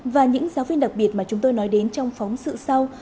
và những giáo viên đặc biệt mà chúng tôi nói đến trong phóng sự sau